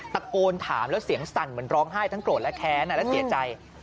ตะโกนถามแล้วเสียงสั่นเหมือนร้องไห้ทั้งโกรธและแค้นและเสียใจ